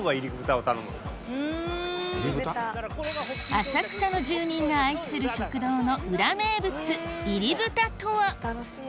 浅草の住人が愛する食堂の裏名物いり豚とは？